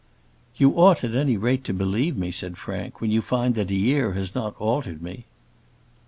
"You ought, at any rate, to believe me," said Frank, "when you find that a year has not altered me."